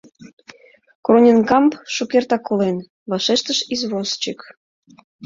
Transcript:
— Кроненкамп шукертак колен, — вашештыш извозчик.